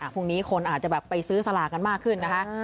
พรุ่งนี้คนอาจจะไปซื้อสลากันมากขึ้น